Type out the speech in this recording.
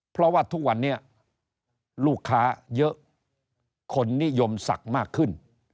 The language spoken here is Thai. เพราะว่าทุกวันนี้ลูกค้าเยอะคนนิยมศักดิ์มากขึ้น